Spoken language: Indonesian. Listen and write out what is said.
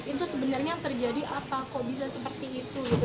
itu sebenarnya terjadi apa kok bisa seperti itu gitu